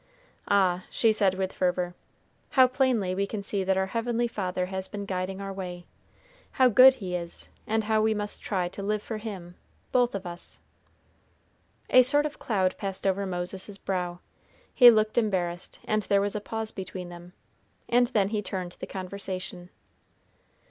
"Ah!" she said with fervor, "how plainly we can see that our heavenly Father has been guiding our way! How good He is, and how we must try to live for Him, both of us." A sort of cloud passed over Moses's brow. He looked embarrassed, and there was a pause between them, and then he turned the conversation.